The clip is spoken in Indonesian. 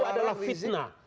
itu adalah fitnah